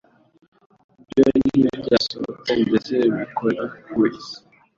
ibyo ntibyasohotse ndetse bikora ku isi